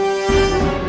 kamar itu akan jadi